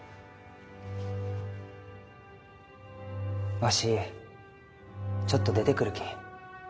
わしちょっと出てくるき。